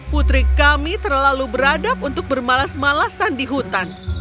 putri kami terlalu beradab untuk bermalas malasan di hutan